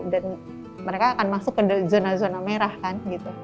dan mereka akan masuk ke zona zona merah kan